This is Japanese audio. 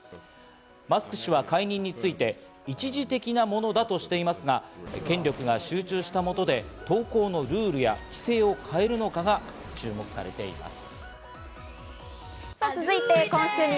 マスク氏は解任について一時的なものだとしていますが権力が集中したもとで投稿のルールや規制を変えるのかが注目されています。